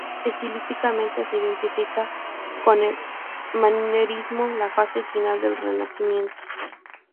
Estilísticamente, se identifica con el Manierismo, la fase final del Renacimiento.